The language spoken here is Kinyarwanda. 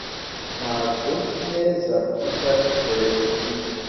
ntabwo nzi neza ko nshaka kureba iyo firime